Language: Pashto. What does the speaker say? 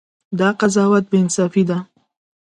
دا قضاوت بې انصافي ده.